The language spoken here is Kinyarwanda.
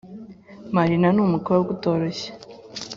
Marina n’umukobwa utoroshye